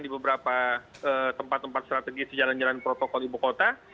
di beberapa tempat tempat strategis jalan jalan protokol ibu kota